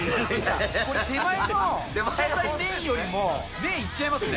これ、手前の被写体よりも、目いっちゃいますよね。